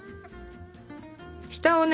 下をね